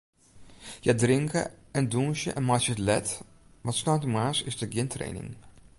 Hja drinke en dûnsje en meitsje it let, want sneintemoarns is der gjin training.